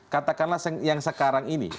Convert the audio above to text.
katakanlah yang sekarang ini